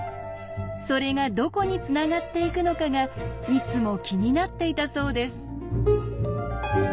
それがどこにつながっていくのかがいつも気になっていたそうです。